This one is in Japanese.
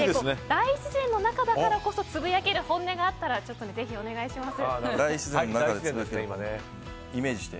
大自然の中だからこそつぶやける本音があったらお願いします。